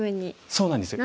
そうなんですよ。